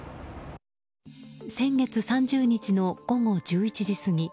先月３０日の午後１１時過ぎ。